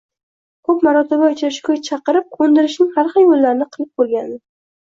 Ko`p marotaba uchrashuvga chaqirib, ko`ndirishning har xil yo`llarini qilib ko`rgandi